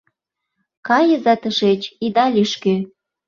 Кайыза тышеч, ида лӱшкӧ.